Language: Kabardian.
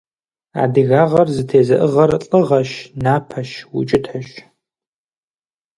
Адыгагъэр зэтезыӀыгъэр лӀыгъэщ, напэщ, укӀытэщ.